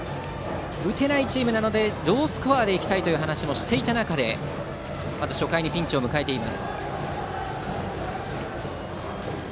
打てないチームなのでロースコアで行きたいとも話していた中でまず初回、ピンチを迎えています。